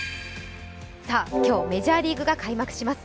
今日、メジャーリーグが開幕します。